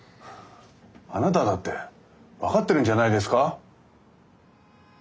あなただって分かってるんじゃないですか？